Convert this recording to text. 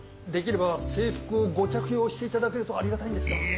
できれば制服をご着用していただけるとありがたいんですが。